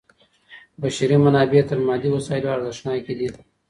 بشري منابع تر مادي وسایلو ارزښتناکي دي.